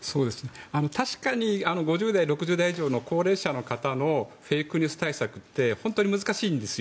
確かに５０代、６０代以上の高齢者の方のフェイクニュース対策って本当に難しいんですよ。